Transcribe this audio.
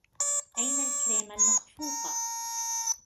أين الكريمة المخفوقة ؟